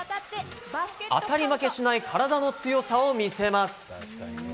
当たり負けしない体の強さを見せます。